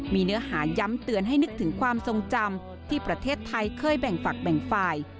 มีเนื้อหาย้ำเตือนให้นึกถึงความทรงจำที่ประเทศไทยเคยแบ่งฝักแบ่งฝ่าย